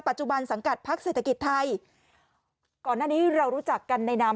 สังกัดพักเศรษฐกิจไทยก่อนหน้านี้เรารู้จักกันในนาม